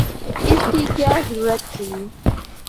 اس کی کیا ضرورت تھی؟